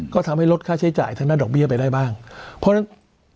ก็ทำให้ลดค่าใช้จ่ายทางด้านดอกเบี้ยไปได้บ้างเพราะฉะนั้น